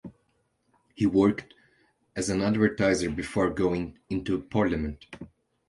He worked as an advertiser before going into parliament.